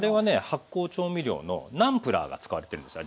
発酵調味料のナンプラーが使われてるんです。